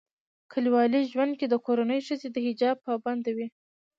کلیوالي ژوندکي دکورنۍښځي دحجاب پابند وي